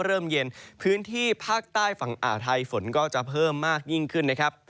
เริ่มเย็นพื้นที่ภาคใต้ฝั่งอ่าวไทยฝนก็จะเพิ่มมากยิ่งขึ้นนะครับ